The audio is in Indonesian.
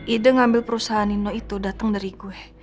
ide ngambil perusahaan nino itu datang dari gue